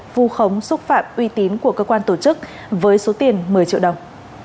vu khống xúc phạm uy tín của cơ quan tổ chức với số tiền một mươi triệu đồng